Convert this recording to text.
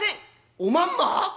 「おまんま！？